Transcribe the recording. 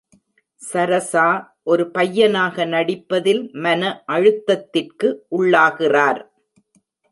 சரசா ஒரு பையனாக நடிப்பதில் மன அழுத்தத்திற்கு உள்ளாகிறார்.